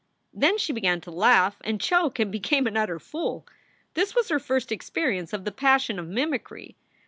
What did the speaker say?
Then she began to laugh and choke, became an utter fool. This was her first experience of the passion of mimicry.